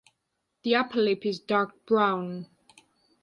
The upper lip is dark brown.